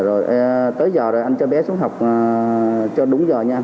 rồi tới giờ rồi anh cho bé xuống học cho đúng giờ nha anh